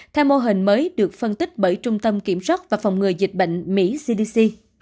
theo mô hình mới được phân tích bởi trung tâm kiểm soát và phòng ngừa dịch bệnh mỹ cdc